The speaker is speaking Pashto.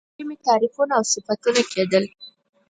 د سخت ژمي تعریفونه او صفتونه کېدل.